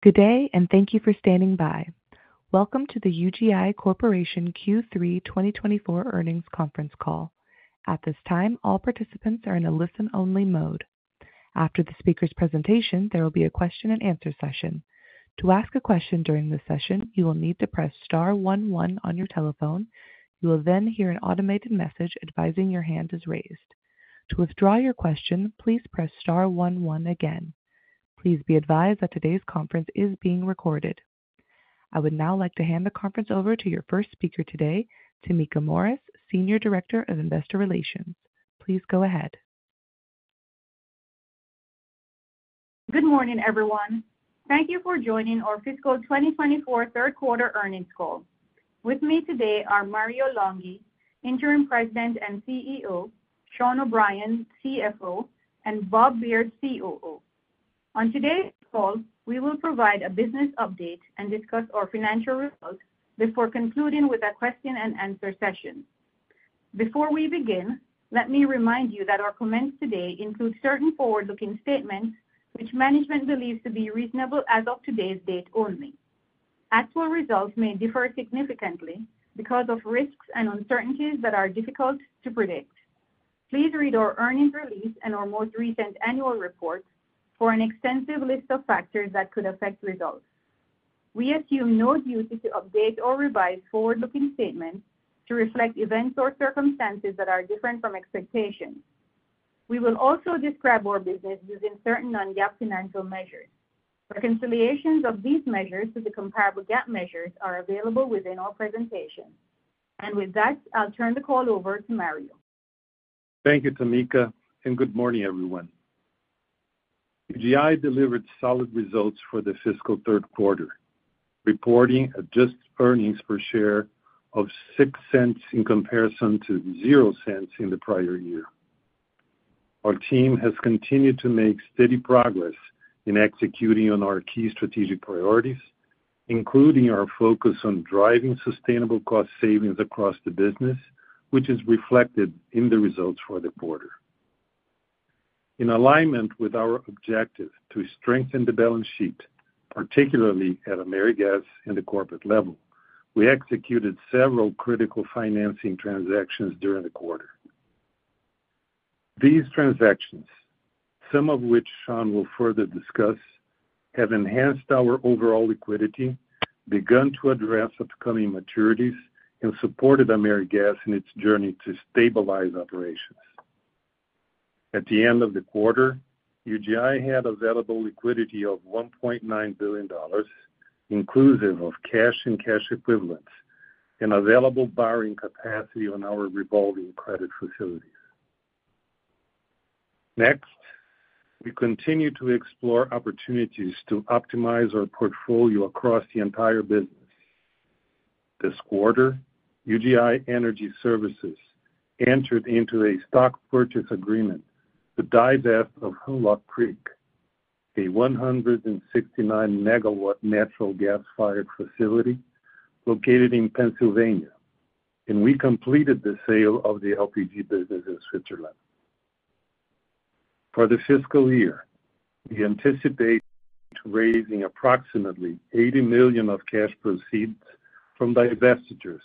Good day, and thank you for standing by. Welcome to the UGI Corporation Q3 2024 earnings conference call. At this time, all participants are in a listen-only mode. After the speaker's presentation, there will be a question-and-answer session. To ask a question during this session, you will need to press star one one on your telephone. You will then hear an automated message advising your hand is raised. To withdraw your question, please press star one one again. Please be advised that today's conference is being recorded. I would now like to hand the conference over to your first speaker today, Tameka Morris, Senior Director of Investor Relations. Please go ahead. Good morning, everyone. Thank you for joining our fiscal 2024 third quarter earnings call. With me today are Mario Longhi, Interim President and CEO, Sean O'Brien, CFO, and Bob Beard, COO. On today's call, we will provide a business update and discuss our financial results before concluding with a question-and-answer session. Before we begin, let me remind you that our comments today include certain forward-looking statements which management believes to be reasonable as of today's date only. Actual results may differ significantly because of risks and uncertainties that are difficult to predict. Please read our earnings release and our most recent annual report for an extensive list of factors that could affect results. We assume no duty to update or revise forward-looking statements to reflect events or circumstances that are different from expectations. We will also describe our business using certain non-GAAP financial measures. Reconciliations of these measures to the comparable GAAP measures are available within our presentation. With that, I'll turn the call over to Mario. Thank you, Tamika, and good morning, everyone. UGI delivered solid results for the fiscal third quarter, reporting adjusted earnings per share of $0.06 in comparison to $0.00 in the prior year. Our team has continued to make steady progress in executing on our key strategic priorities, including our focus on driving sustainable cost savings across the business, which is reflected in the results for the quarter. In alignment with our objective to strengthen the balance sheet, particularly at AmeriGas and the corporate level, we executed several critical financing transactions during the quarter. These transactions, some of which Sean will further discuss, have enhanced our overall liquidity, begun to address upcoming maturities, and supported AmeriGas in its journey to stabilize operations. At the end of the quarter, UGI had available liquidity of $1.9 billion, inclusive of cash and cash equivalents, and available borrowing capacity on our revolving credit facilities. Next, we continue to explore opportunities to optimize our portfolio across the entire business. This quarter, UGI Energy Services entered into a stock purchase agreement to divest Hunlock Creek, a 169-megawatt natural gas-fired facility located in Pennsylvania, and we completed the sale of the LPG business in Switzerland. For the fiscal year, we anticipate raising approximately $80 million of cash proceeds from divestitures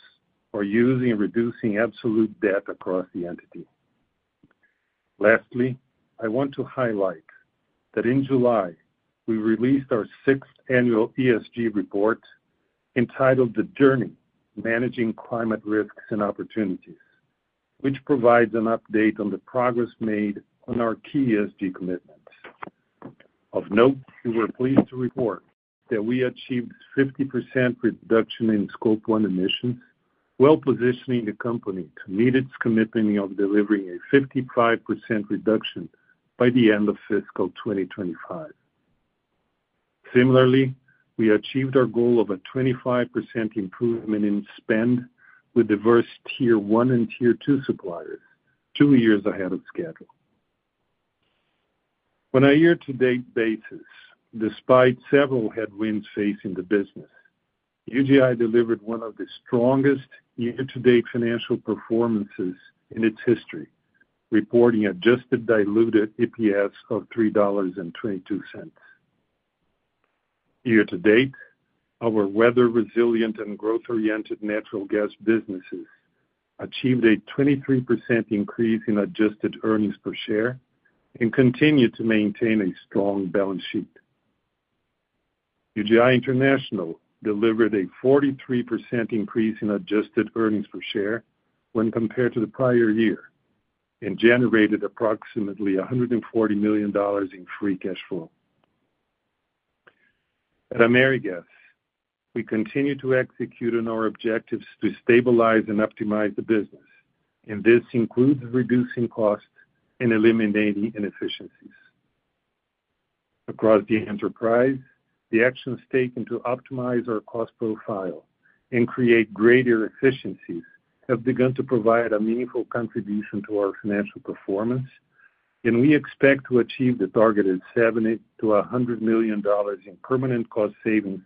or using and reducing absolute debt across the entity. Lastly, I want to highlight that in July, we released our sixth annual ESG report entitled The Journey: Managing Climate Risks and Opportunities, which provides an update on the progress made on our key ESG commitments. Of note, we were pleased to report that we achieved 50% reduction in Scope 1 emissions, well-positioning the company to meet its commitment of delivering a 55% reduction by the end of fiscal 2025. Similarly, we achieved our goal of a 25% improvement in spend with diverse Tier 1 and Tier 2 suppliers two years ahead of schedule. On a year-to-date basis, despite several headwinds facing the business, UGI delivered one of the strongest year-to-date financial performances in its history, reporting Adjusted Diluted EPS of $3.22. Year-to-date, our weather-resilient and growth-oriented natural gas businesses achieved a 23% increase in adjusted earnings per share and continued to maintain a strong balance sheet. UGI International delivered a 43% increase in adjusted earnings per share when compared to the prior year and generated approximately $140 million in free cash flow. At AmeriGas, we continue to execute on our objectives to stabilize and optimize the business, and this includes reducing costs and eliminating inefficiencies. Across the enterprise, the actions taken to optimize our cost profile and create greater efficiencies have begun to provide a meaningful contribution to our financial performance, and we expect to achieve the targeted $70-$100 million in permanent cost savings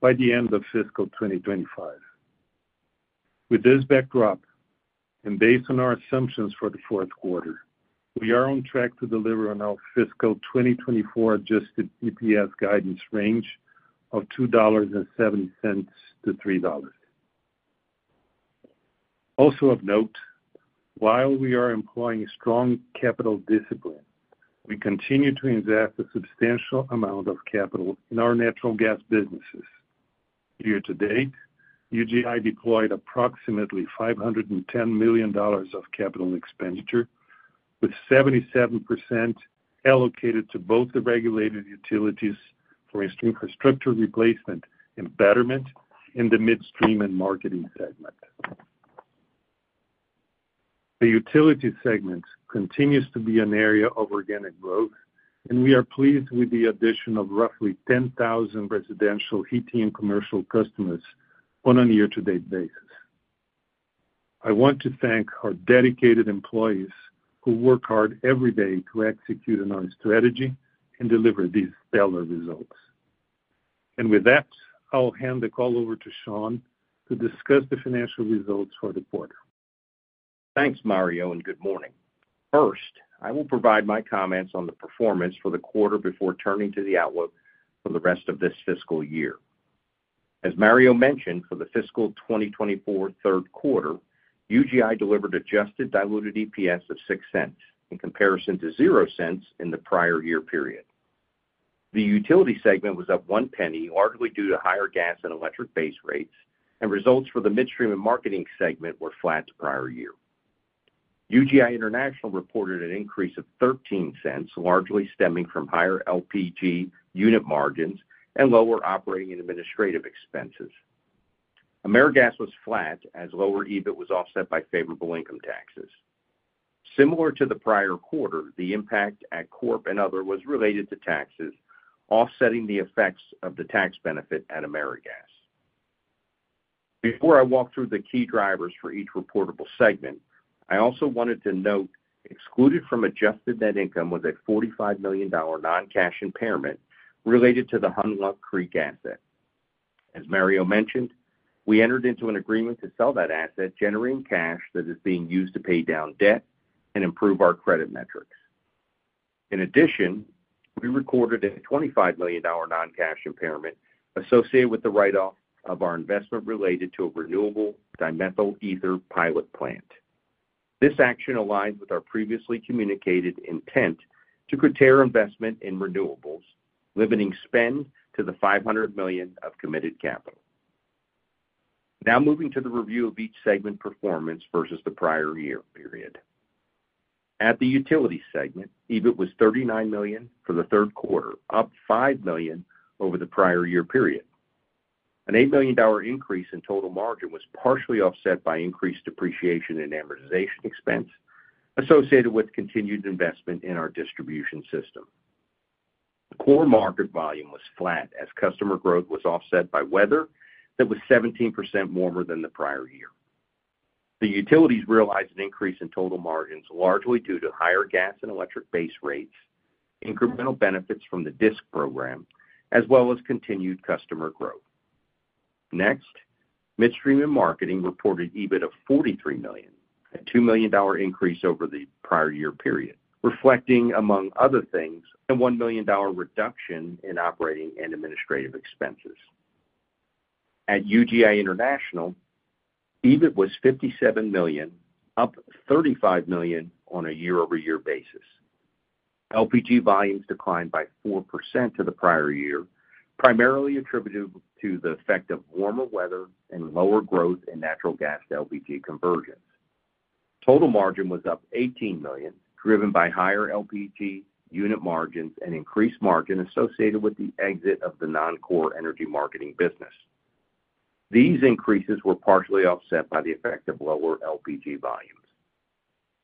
by the end of fiscal 2025.... With this backdrop, and based on our assumptions for the fourth quarter, we are on track to deliver on our fiscal 2024 adjusted EPS guidance range of $2.07-$3. Also of note, while we are employing strong capital discipline, we continue to invest a substantial amount of capital in our natural gas businesses. Year-to-date, UGI deployed approximately $510 million of capital expenditure, with 77% allocated to both the regulated utilities for infrastructure replacement and betterment in the Midstream and Marketing segment. The utility segment continues to be an area of organic growth, and we are pleased with the addition of roughly 10,000 residential, heating, and commercial customers on a year-to-date basis. I want to thank our dedicated employees who work hard every day to execute on our strategy and deliver these stellar results. And with that, I'll hand the call over to Sean to discuss the financial results for the quarter. Thanks, Mario, and good morning. First, I will provide my comments on the performance for the quarter before turning to the outlook for the rest of this fiscal year. As Mario mentioned, for the fiscal 2024 third quarter, UGI delivered adjusted diluted EPS of $0.06 in comparison to $0.00 in the prior year period. The utility segment was up $0.01, largely due to higher gas and electric base rates, and results for the Midstream and Marketing segment were flat to prior year. UGI International reported an increase of $0.13, largely stemming from higher LPG unit margins and lower operating and administrative expenses. AmeriGas was flat, as lower EBIT was offset by favorable income taxes. Similar to the prior quarter, the impact at Corp and Other was related to taxes, offsetting the effects of the tax benefit at AmeriGas. Before I walk through the key drivers for each reportable segment, I also wanted to note, excluded from adjusted net income was a $45 million non-cash impairment related to the Hunlock Creek asset. As Mario mentioned, we entered into an agreement to sell that asset, generating cash that is being used to pay down debt and improve our credit metrics. In addition, we recorded a $25 million non-cash impairment associated with the write-off of our investment related to a renewable dimethyl ether pilot plant. This action aligns with our previously communicated intent to curtail investment in renewables, limiting spend to the $500 million of committed capital. Now moving to the review of each segment performance versus the prior year period. At the utility segment, EBIT was $39 million for the third quarter, up $5 million over the prior year period. An $8 million increase in total margin was partially offset by increased depreciation and amortization expense associated with continued investment in our distribution system. The core market volume was flat, as customer growth was offset by weather that was 17% warmer than the prior year. The utilities realized an increase in total margins, largely due to higher gas and electric base rates, incremental benefits from the DSIC program, as well as continued customer growth. Next, Midstream and Marketing reported EBIT of $43 million, a $2 million increase over the prior year period, reflecting, among other things, a $1 million reduction in operating and administrative expenses. At UGI International, EBIT was $57 million, up $35 million on a year-over-year basis. LPG volumes declined by 4% to the prior year, primarily attributed to the effect of warmer weather and lower growth in natural gas LPG conversions. Total margin was up $18 million, driven by higher LPG unit margins and increased margin associated with the exit of the non-core energy marketing business. These increases were partially offset by the effect of lower LPG volumes.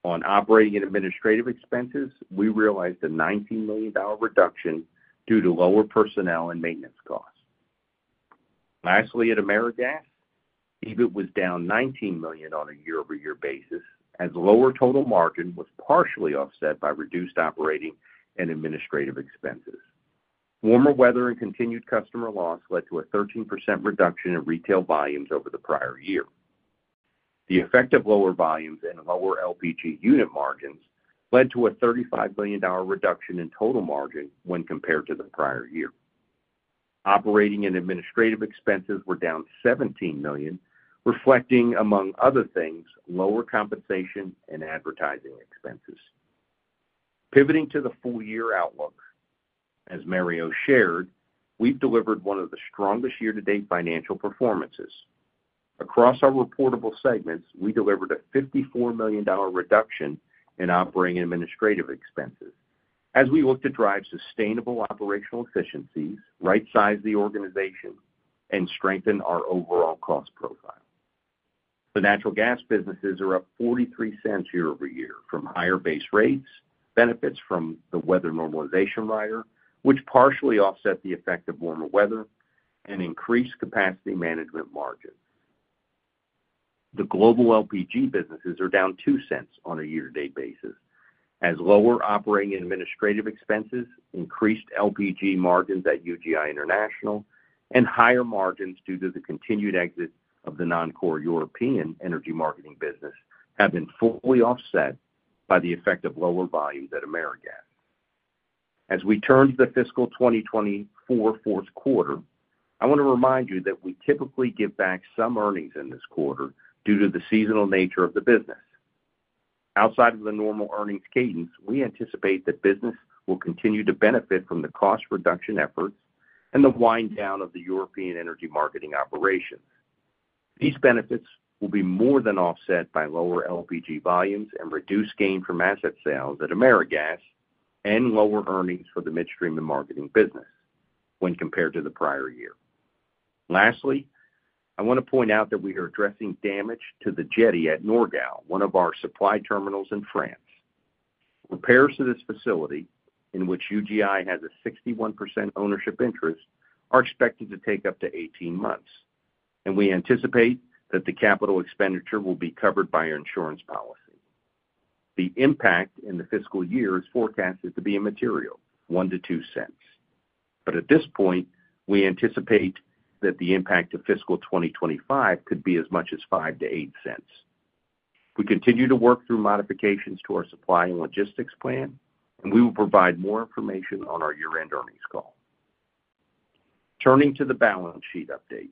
On operating and administrative expenses, we realized a $19 million reduction due to lower personnel and maintenance costs. Lastly, at AmeriGas, EBIT was down $19 million on a year-over-year basis, as lower total margin was partially offset by reduced operating and administrative expenses. Warmer weather and continued customer loss led to a 13% reduction in retail volumes over the prior year. The effect of lower volumes and lower LPG unit margins led to a $35 million reduction in total margin when compared to the prior year. Operating and administrative expenses were down $17 million, reflecting, among other things, lower compensation and advertising expenses. Pivoting to the full-year outlook. As Mario shared, we've delivered one of the strongest year-to-date financial performances. Across our reportable segments, we delivered a $54 million reduction in operating and administrative expenses as we look to drive sustainable operational efficiencies, rightsize the organization, and strengthen our overall cost profile. The natural gas businesses are up $0.43 year-over-year from higher base rates, benefits from the weather normalization rider, which partially offset the effect of warmer weather and increased capacity management margin. The global LPG businesses are down $0.02 on a year-to-date basis, as lower operating administrative expenses, increased LPG margins at UGI International, and higher margins due to the continued exit of the non-core European energy marketing business have been fully offset by the effect of lower volumes at AmeriGas. As we turn to the fiscal 2024 fourth quarter, I want to remind you that we typically give back some earnings in this quarter due to the seasonal nature of the business. Outside of the normal earnings cadence, we anticipate that business will continue to benefit from the cost reduction efforts and the wind down of the European energy marketing operations. These benefits will be more than offset by lower LPG volumes and reduced gain from asset sales at AmeriGas and lower earnings for the Midstream and Marketing business when compared to the prior year. Lastly, I want to point out that we are addressing damage to the jetty at Norgal, one of our supply terminals in France. Repairs to this facility, in which UGI has a 61% ownership interest, are expected to take up to 18 months, and we anticipate that the capital expenditure will be covered by our insurance policy. The impact in the fiscal year is forecasted to be immaterial, $0.01-$0.02. But at this point, we anticipate that the impact of fiscal 2025 could be as much as $0.05-$0.08. We continue to work through modifications to our supply and logistics plan, and we will provide more information on our year-end earnings call. Turning to the balance sheet update,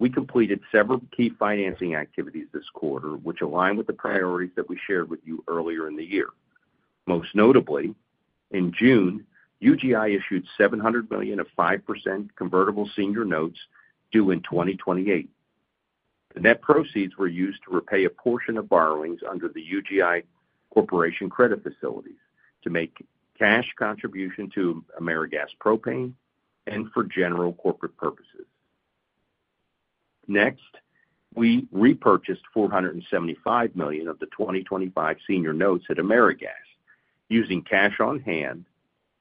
we completed several key financing activities this quarter, which align with the priorities that we shared with you earlier in the year. Most notably, in June, UGI issued $700 million of 5% convertible senior notes due in 2028. The net proceeds were used to repay a portion of borrowings under the UGI Corporation credit facilities to make cash contribution to AmeriGas Propane and for general corporate purposes. Next, we repurchased $475 million of the 2025 senior notes at AmeriGas, using cash on hand,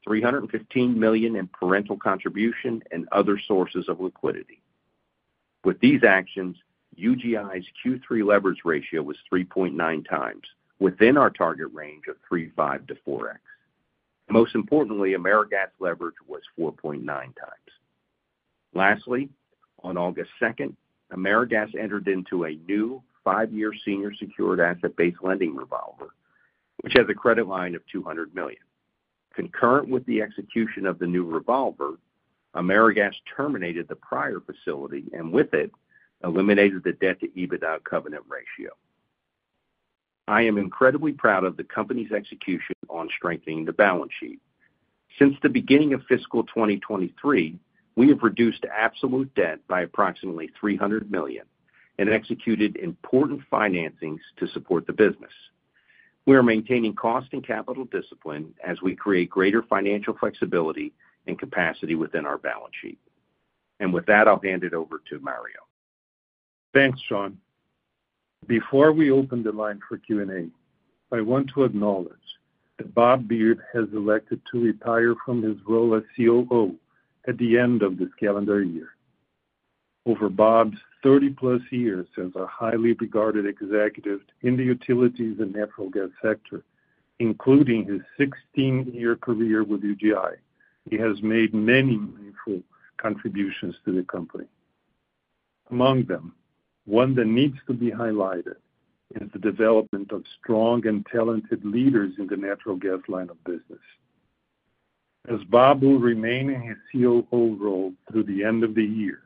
$315 million in parent contribution and other sources of liquidity. With these actions, UGI's Q3 leverage ratio was 3.9 times, within our target range of 3.5-4x. Most importantly, AmeriGas leverage was 4.9 times. Lastly, on August 2, AmeriGas entered into a new 5-year senior secured asset-based lending revolver, which has a credit line of $200 million. Concurrent with the execution of the new revolver, AmeriGas terminated the prior facility and with it, eliminated the debt to EBITDA covenant ratio. I am incredibly proud of the company's execution on strengthening the balance sheet. Since the beginning of fiscal 2023, we have reduced absolute debt by approximately $300 million and executed important financings to support the business. We are maintaining cost and capital discipline as we create greater financial flexibility and capacity within our balance sheet. With that, I'll hand it over to Mario. Thanks, Sean. Before we open the line for Q&A, I want to acknowledge that Bob Beard has elected to retire from his role as COO at the end of this calendar year. Over Bob's 30+ years as a highly regarded executive in the utilities and natural gas sector, including his 16-year career with UGI, he has made many meaningful contributions to the company. Among them, one that needs to be highlighted is the development of strong and talented leaders in the natural gas line of business. As Bob will remain in his COO role through the end of the year,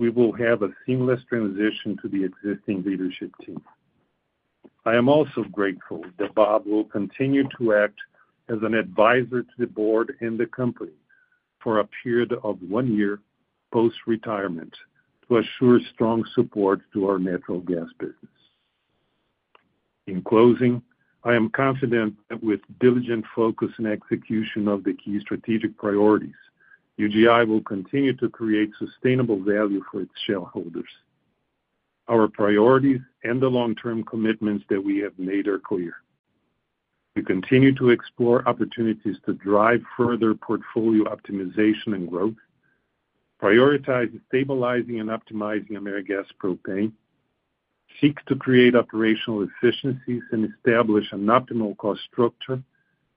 we will have a seamless transition to the existing leadership team. I am also grateful that Bob will continue to act as an advisor to the board and the company for a period of one year post-retirement to assure strong support to our natural gas business. In closing, I am confident that with diligent focus and execution of the key strategic priorities, UGI will continue to create sustainable value for its shareholders. Our priorities and the long-term commitments that we have made are clear. We continue to explore opportunities to drive further portfolio optimization and growth, prioritize stabilizing and optimizing AmeriGas propane, seek to create operational efficiencies, and establish an optimal cost structure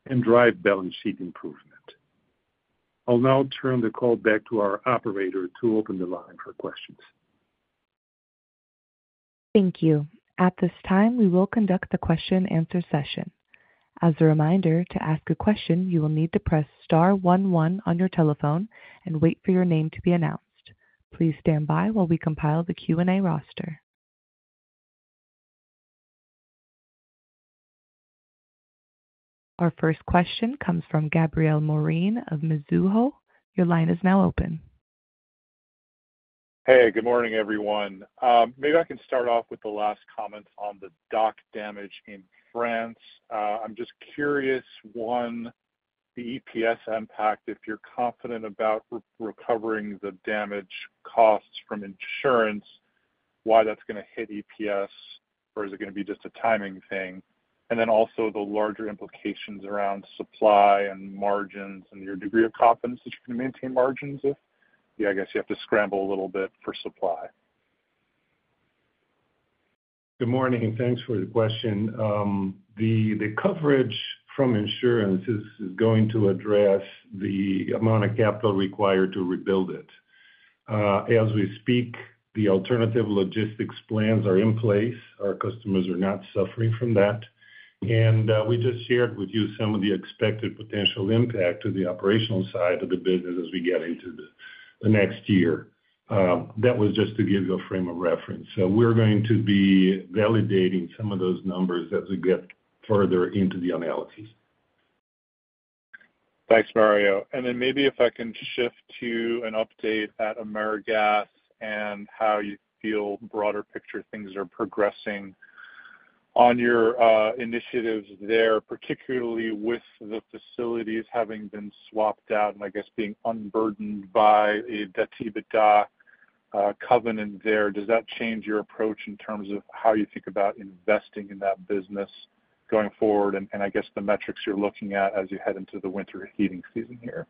and drive balance sheet improvement. I'll now turn the call back to our operator to open the line for questions. Thank you. At this time, we will conduct the question-and-answer session. As a reminder, to ask a question, you will need to press star one one on your telephone and wait for your name to be announced. Please stand by while we compile the Q&A roster. Our first question comes from Gabriel Moreen of Mizuho. Your line is now open. Hey, good morning, everyone. Maybe I can start off with the last comments on the dock damage in France. I'm just curious, one, the EPS impact, if you're confident about recovering the damage costs from insurance, why that's gonna hit EPS, or is it gonna be just a timing thing? And then also the larger implications around supply and margins and your degree of confidence that you're gonna maintain margins, if, yeah, I guess you have to scramble a little bit for supply?... Good morning, and thanks for the question. The coverage from insurance is going to address the amount of capital required to rebuild it. As we speak, the alternative logistics plans are in place. Our customers are not suffering from that. And we just shared with you some of the expected potential impact to the operational side of the business as we get into the next year. That was just to give you a frame of reference. So we're going to be validating some of those numbers as we get further into the analysis. Thanks, Mario. Then maybe if I can shift to an update at AmeriGas and how you feel broader picture things are progressing on your initiatives there, particularly with the facilities having been swapped out and I guess being unburdened by a debt-to-EBITDA covenant there. Does that change your approach in terms of how you think about investing in that business going forward, and I guess the metrics you're looking at as you head into the winter heating season here?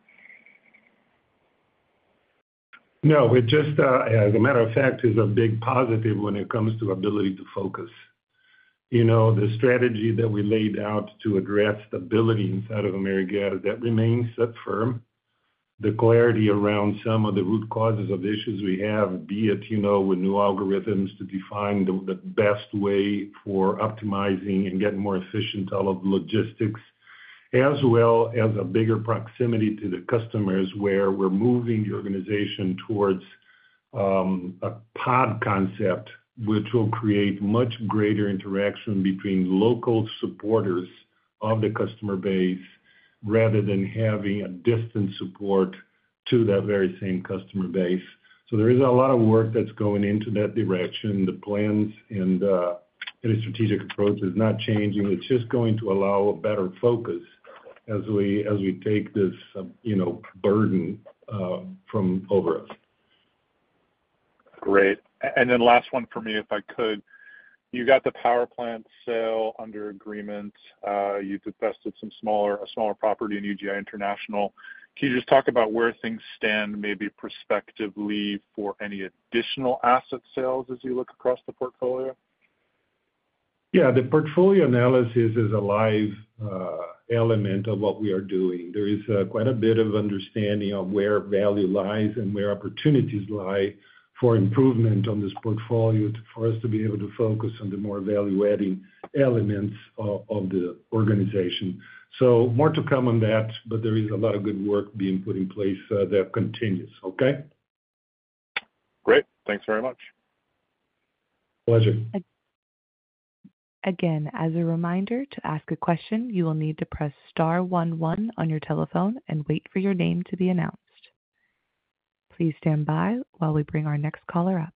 No, it just, as a matter of fact, is a big positive when it comes to ability to focus. You know, the strategy that we laid out to address stability inside of AmeriGas, that remains set firm. The clarity around some of the root causes of issues we have, be it, you know, with new algorithms to define the best way for optimizing and getting more efficient all of the logistics, as well as a bigger proximity to the customers, where we're moving the organization towards a pod concept, which will create much greater interaction between local supporters of the customer base rather than having a distant support to that very same customer base. So there is a lot of work that's going into that direction. The plans and any strategic approach is not changing. It's just going to allow a better focus as we take this, you know, burden from over us. Great. And then last one for me, if I could. You got the power plant sale under agreement. You divested a smaller property in UGI International. Can you just talk about where things stand, maybe prospectively, for any additional asset sales as you look across the portfolio? Yeah, the portfolio analysis is a live element of what we are doing. There is quite a bit of understanding of where value lies and where opportunities lie for improvement on this portfolio for us to be able to focus on the more value-adding elements of the organization. So more to come on that, but there is a lot of good work being put in place that continues. Okay? Great. Thanks very much. Pleasure. Again, as a reminder, to ask a question, you will need to press star one one on your telephone and wait for your name to be announced. Please stand by while we bring our next caller up.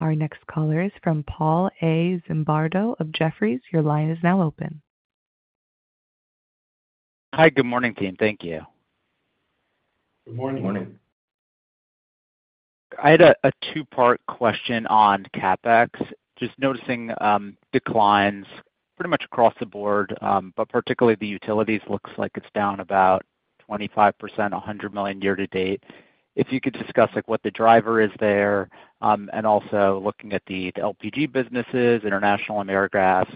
Our next caller is from Paul A. Zimbardo of Jefferies. Your line is now open. Hi, good morning, team. Thank you. Good morning. Good morning. I had a two-part question on CapEx. Just noticing, declines pretty much across the board, but particularly the utilities looks like it's down about 25%, $100 million year to date. If you could discuss, like, what the driver is there, and also looking at the LPG businesses, International and AmeriGas,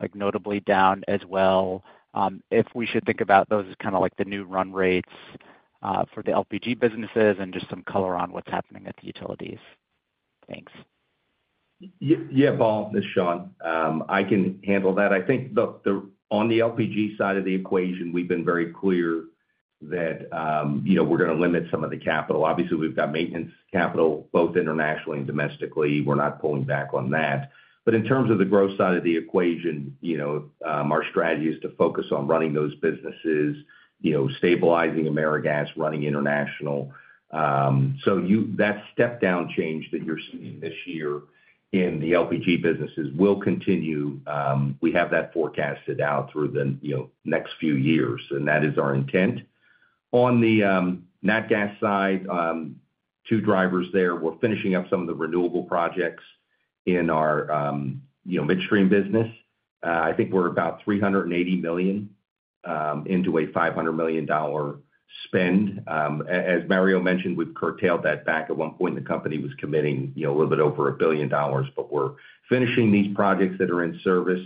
like, notably down as well, if we should think about those as kind of like the new run rates, for the LPG businesses and just some color on what's happening at the utilities. Thanks. Yeah, Paul, this is Sean. I can handle that. I think, look, the on the LPG side of the equation, we've been very clear that, you know, we're gonna limit some of the capital. Obviously, we've got maintenance capital, both internationally and domestically. We're not pulling back on that. But in terms of the growth side of the equation, you know, our strategy is to focus on running those businesses, you know, stabilizing AmeriGas, running international. So that step down change that you're seeing this year in the LPG businesses will continue. We have that forecasted out through the, you know, next few years, and that is our intent. On the, nat gas side, two drivers there. We're finishing up some of the renewable projects in our, you know, midstream business. I think we're about $380 million into a $500 million spend. As Mario mentioned, we've curtailed that back. At one point, the company was committing, you know, a little bit over $1 billion, but we're finishing these projects that are in service.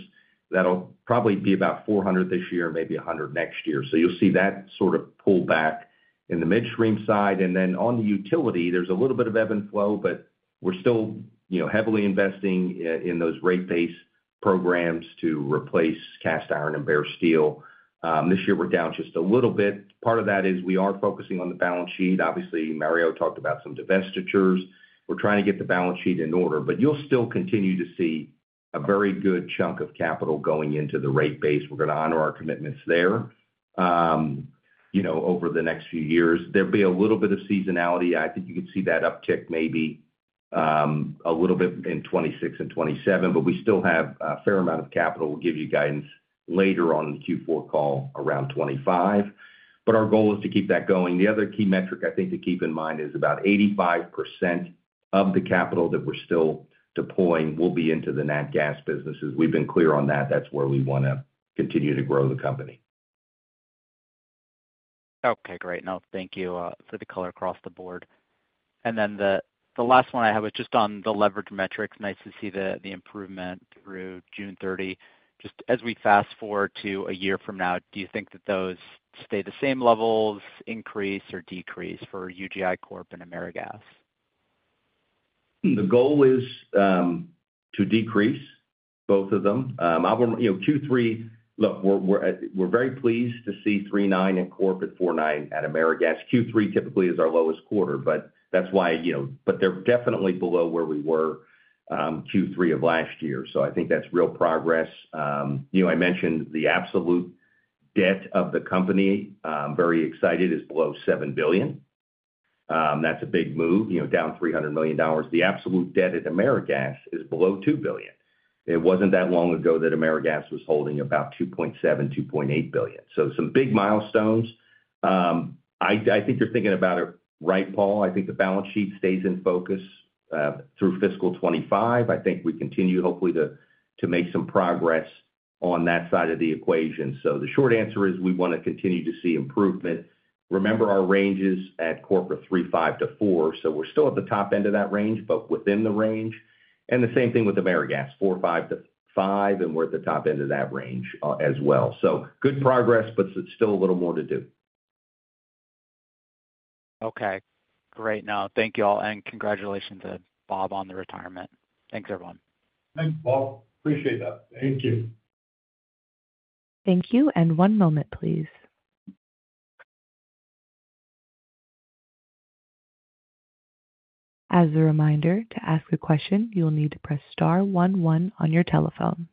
That'll probably be about $400 million this year, maybe $100 million next year. So you'll see that sort of pull back in the midstream side. And then on the utility, there's a little bit of ebb and flow, but we're still, you know, heavily investing in those rate base programs to replace cast iron and bare steel. This year we're down just a little bit. Part of that is we are focusing on the balance sheet. Obviously, Mario talked about some divestitures. We're trying to get the balance sheet in order, but you'll still continue to see a very good chunk of capital going into the rate base. We're going to honor our commitments there, you know, over the next few years. There'll be a little bit of seasonality. I think you could see that uptick maybe, a little bit in 2026 and 2027, but we still have a fair amount of capital. We'll give you guidance later on in the Q4 call around 2025, but our goal is to keep that going. The other key metric, I think, to keep in mind is about 85% of the capital that we're still deploying will be into the nat gas businesses. We've been clear on that. That's where we wanna continue to grow the company.... Okay, great. Now, thank you for the color across the board. And then the, the last one I have is just on the leverage metrics. Nice to see the, the improvement through June 30. Just as we fast-forward to a year from now, do you think that those stay the same levels, increase, or decrease for UGI Corp and AmeriGas? The goal is to decrease both of them. I want, you know, Q3. Look, we're very pleased to see 3.9 at Corp at 4.9 at AmeriGas. Q3 typically is our lowest quarter, but that's why, you know... But they're definitely below where we were Q3 of last year, so I think that's real progress. You know, I mentioned the absolute debt of the company, I'm very excited, is below $7 billion. That's a big move, you know, down $300 million. The absolute debt at AmeriGas is below $2 billion. It wasn't that long ago that AmeriGas was holding about 2.7, 2.8 billion. So some big milestones. I think you're thinking about it right, Paul. I think the balance sheet stays in focus through fiscal 2025. I think we continue, hopefully, to make some progress on that side of the equation. So the short answer is, we wanna continue to see improvement. Remember our ranges at corporate 3.5-4, so we're still at the top end of that range, but within the range. And the same thing with AmeriGas, 4.5-5, and we're at the top end of that range as well. So good progress, but it's still a little more to do. Okay, great. Now, thank you all, and congratulations to Bob on the retirement. Thanks, everyone. Thanks, Paul. Appreciate that. Thank you. Thank you, and one moment, please. As a reminder, to ask a question, you'll need to press star one one on your telephone.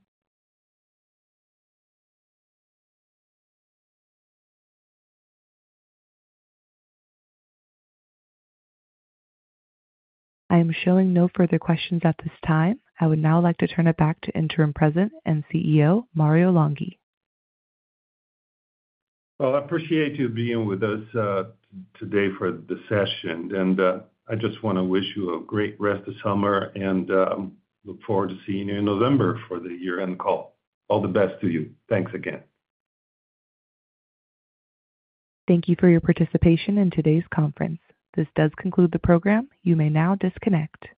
I am showing no further questions at this time. I would now like to turn it back to Interim President and CEO, Mario Longhi. Well, I appreciate you being with us today for the session, and I just wanna wish you a great rest of summer and look forward to seeing you in November for the year-end call. All the best to you. Thanks again. Thank you for your participation in today's conference. This does conclude the program. You may now disconnect.